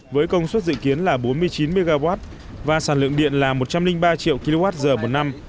với công suất dự kiến là bốn mươi chín mw và sản lượng điện là một trăm linh ba triệu kwh một năm